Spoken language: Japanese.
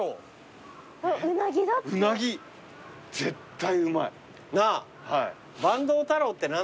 絶対うまい。なぁ。